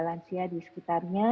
lansia di sekitarnya